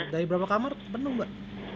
dari berapa kamar penuh mbak